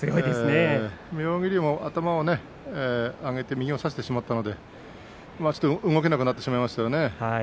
妙義龍も頭を上げて右を差してしまったので動けなくなってしまいました。